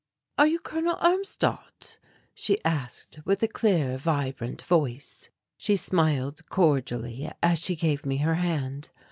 "Are you Col. Armstadt?" she asked with a clear, vibrant voice. She smiled cordially as she gave me her hand.